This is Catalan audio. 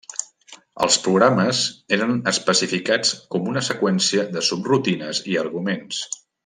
Els programes eren especificats com a una seqüència de subrutines i arguments.